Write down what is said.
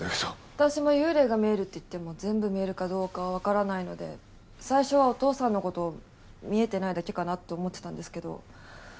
私も幽霊が見えるって言っても全部見えるかどうかはわからないので最初はお父さんの事見えてないだけかなって思ってたんですけど。